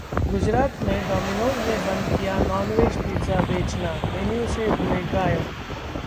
गुजरात में डोमिनोज ने बंद किया नॉन-वेज Pizza बेचना! मेन्यू से हुए गायब